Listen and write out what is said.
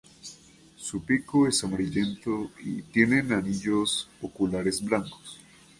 Su pico es amarillento y tienen anillos oculares blancos.